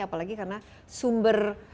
apalagi karena sumber